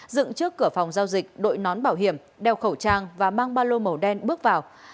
dựng trước cửa phòng giao dịch đội nón bảo hiểm đeo khẩu trang và mang ba lô màu đen bước vào